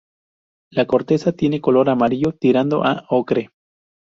La corteza tiene color amarillo tirando a ocre.